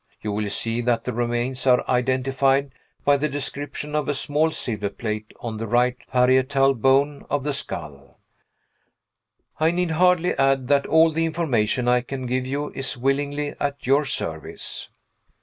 You will see that the remains are identified by the description of a small silver plate on the right parietal bone of the skull. I need hardly add that all the information I can give you is willingly at your service.